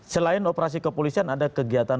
selain operasi kepolisian ada kegiatan